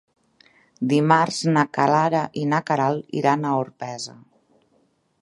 Dimarts na Clara i na Queralt iran a Orpesa.